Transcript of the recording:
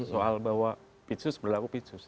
soal bahwa pid sus berlaku pid sus